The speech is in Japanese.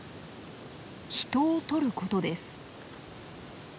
人を撮ることです。